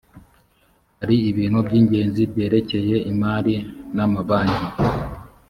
hari ibintu by’ingenzi byerekeye imari n’ amabanki